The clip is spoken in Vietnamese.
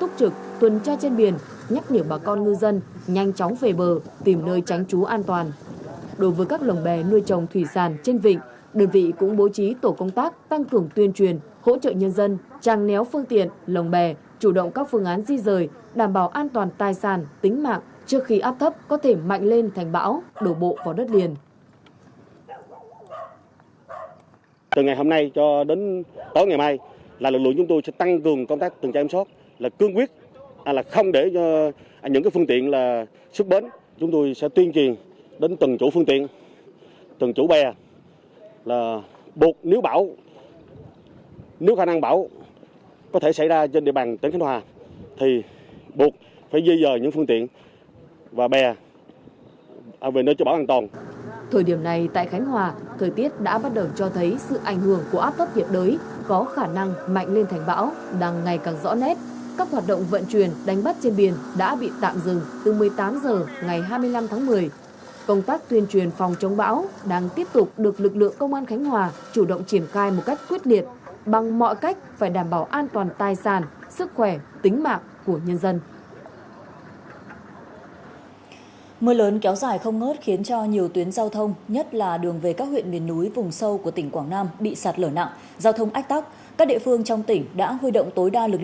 các chủ phương tiện thuyền bè được tuyên truyền chủ động các phương án bảo đảm an toàn tính mạng tài sản trước nguy cơ áp thấp nhiệt đới trên biển đông đang mạnh lên thành cơn bão số chín và có khả năng đổ bộ vào tỉnh khánh hòa